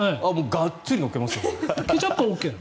がっつり乗っけますよ。